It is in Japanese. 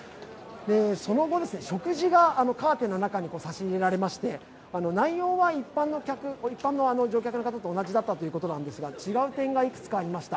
その後、食事がカーテンの中に差し入れられまして内容は一般の乗客の方と同じだったということなんですが、違う点がいくつかありました。